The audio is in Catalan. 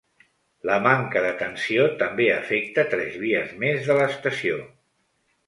La manca de tensió també afecta tres vies més de l’estació.